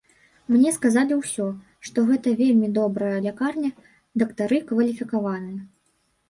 Мне сказалі ўсе, што гэта вельмі добрая лякарня дактары кваліфікаваныя.